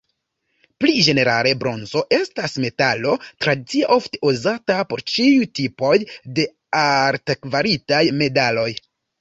Pli ĝenerale, bronzo estas metalo tradicie ofte uzata por ĉiuj tipoj de altkvalitaj medaloj.